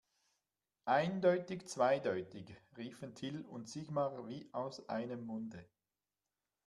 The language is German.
Eindeutig zweideutig, riefen Till und Sigmar wie aus einem Munde.